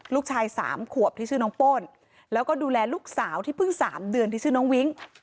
ลูกชายสามขวบที่ชื่อน้องโป้นแล้วก็ดูแลลูกสาวที่เพิ่ง๓เดือนที่ชื่อน้องวิ้ง